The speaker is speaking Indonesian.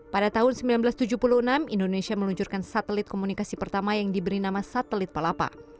pada tahun seribu sembilan ratus tujuh puluh enam indonesia meluncurkan satelit komunikasi pertama yang diberi nama satelit palapa